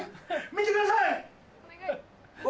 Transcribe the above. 見てください！